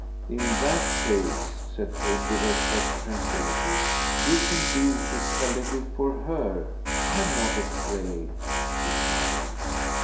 "In that case," said Kate with her soft tranquillity, "you can do it a little for HER. I'm not afraid," she smiled.